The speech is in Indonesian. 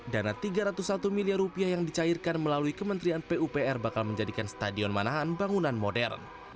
dana tiga ratus satu miliar rupiah yang dicairkan melalui kementerian pupr bakal menjadikan stadion manahan bangunan modern